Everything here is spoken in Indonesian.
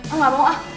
oh gak mau ah